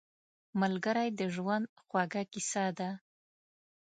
ملګری د ژوند خوږه کیسه ده